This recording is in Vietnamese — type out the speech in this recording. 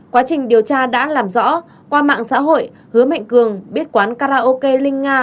quá trình điều tra đã làm rõ qua mạng xã hội hứa mạnh cường biết quán karaoke linh nga